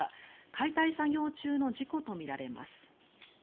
解体作業中の事故とみられます。